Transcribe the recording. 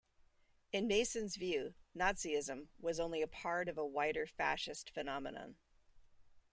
In Mason's view, Nazism was only part of a wider fascist phenomenon.